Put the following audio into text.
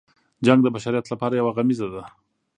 جنګ د بشریت لپاره یو غمیزه ده.